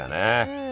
うん。